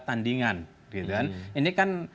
tandingan ini kan